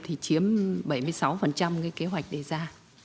thì chiếm bảy mươi sáu kế hoạch đề ra